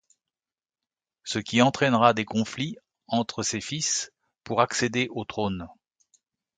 Ce qui entraînera des conflits entre ses fils pour accéder au trône.